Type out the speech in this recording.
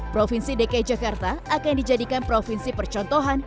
provinsi dki jakarta akan dijadikan provinsi percontohan